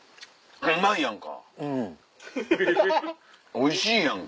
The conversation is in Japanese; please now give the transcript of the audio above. おいしいやんか。